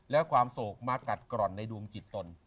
และความโศกมากัดกร่อนในดวงจิตตน